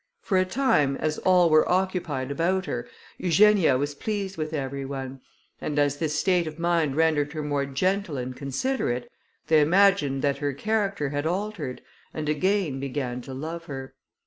For a time, as all were occupied about her, Eugenia was pleased with every one; and as this state of mind rendered her more gentle and considerate, they imagined that her character had altered, and again began to love her.